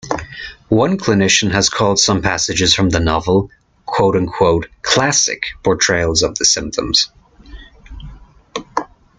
One clinician has called some passages from the novel "classic" portrayals of the symptoms.